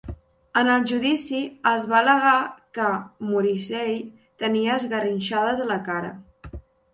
En el judici es va al·legar que Morrissey tenia esgarrinxades a la cara.